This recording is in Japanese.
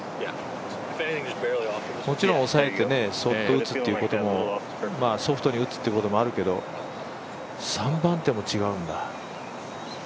もちろん抑えてソフトに打つということもあるけど３番手も違うんだ。